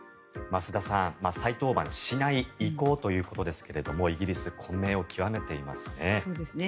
増田さん再登板しない意向ということですがイギリス混迷を極めていますね。